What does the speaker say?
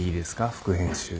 副編集長。